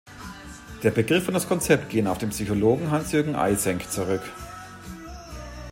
Der Begriff und das Konzept gehen auf den Psychologen Hans Jürgen Eysenck zurück.